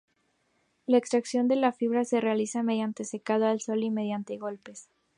La extracción de la fibra se realiza mediante secado al sol y mediante golpes.